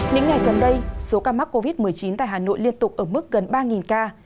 những ngày gần đây số ca mắc covid một mươi chín tại hà nội liên tục ở mức gần ba ca